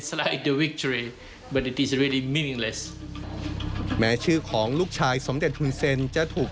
ที่ใครก็รู้ผลล่วงหน้าอยู่แล้ว